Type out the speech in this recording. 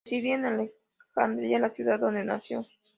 Residía en Alejandría, la ciudad donde nació.